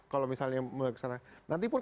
kalau misalnya melaksanakan nanti pun